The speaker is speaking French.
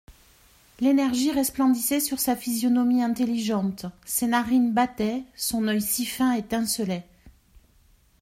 L'énergie resplendissait sur sa physionomie intelligente, ses narines battaient, son œil si fin étincelait.